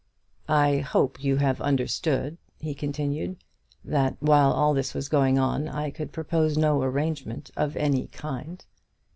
"I hope you have understood," he continued, "that while all this was going on I could propose no arrangement of any kind."